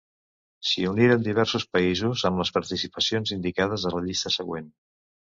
Si uniren diversos països amb les participacions indicades a la llista següent.